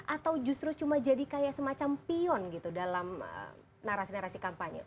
atau justru cuma jadi kayak semacam pion gitu dalam narasi narasi kampanye